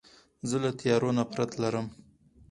زه له تیارو نفرت لرم.